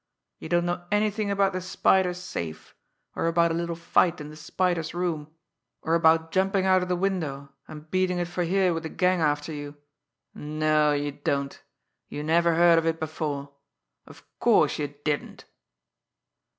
You don't know anything about the Spider's safe, or about a little fight in the Spider's room, or about jumping out of the window, and beating it for here with the gang after you no, you don't! You never heard of it before of course, you didn't!"